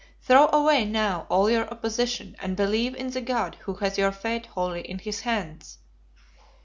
Throw away now all your opposition, and believe in the God who has your fate wholly in his hands.'